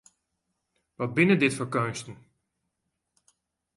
Wat binne dit foar keunsten!